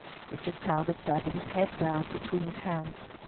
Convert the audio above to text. Richard Talbot sat with his head bowed between his hands.